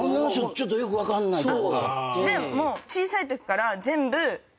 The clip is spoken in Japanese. ちょっとよく分かんないとこあって。